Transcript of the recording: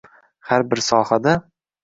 Har bir sohada